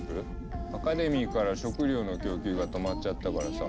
アカデミーから食料の供給が止まっちゃったからさ